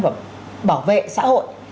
và bảo vệ xã hội